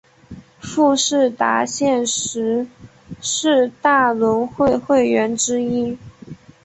富士达现时是大轮会会员之一。